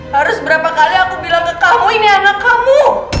harus berapa kali aku bilang ke kamu ini anak kamu